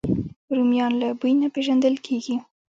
رومیان له بوی نه پېژندل کېږي